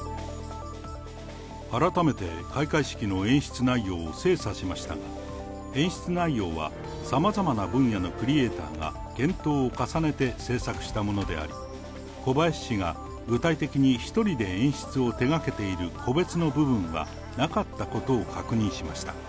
改めて開会式の演出内容を精査しましたが、演出内容はさまざまな分野のクリエーターが検討を重ねて制作したものであり、小林氏が具体的に１人で演出を手がけている個別の部分はなかったことを確認しました。